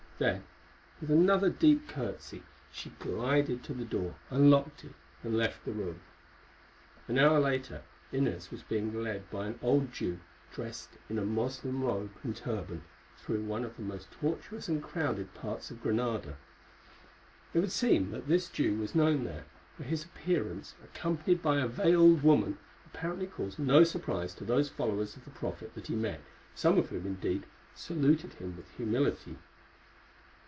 Then with another deep curtsey she glided to the door, unlocked it, and left the room. An hour later Inez was being led by an old Jew, dressed in a Moslem robe and turban, through one of the most tortuous and crowded parts of Granada. It would seem that this Jew was known there, for his appearance, accompanied by a veiled woman, apparently caused no surprise to those followers of the Prophet that he met, some of whom, indeed, saluted him with humility.